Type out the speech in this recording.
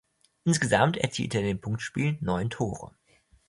Insgesamt erzielte er in den Punktspielen neun Tore.